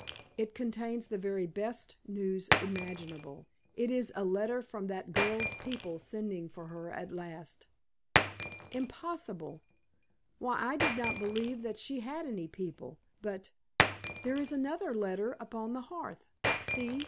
It contains the very best news imaginable. It is a letter from that girl's people sending for her at last." "Impossible! Why, I did not believe that she had any people. But there is another letter upon the hearth. See!